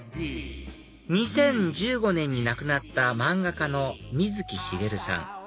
２０１５年に亡くなった漫画家の水木しげるさん